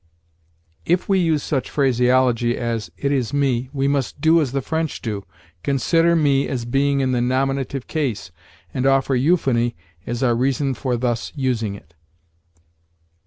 If we use such phraseology as "It is me," we must do as the French do consider me as being in the nominative case, and offer euphony as our reason for thus using it.